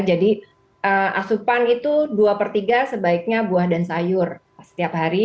jadi asupan itu dua per tiga sebaiknya buah dan sayur setiap hari